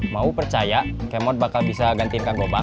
mau percaya camot bakal bisa gantiin kak gopak